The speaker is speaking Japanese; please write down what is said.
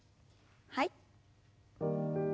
はい。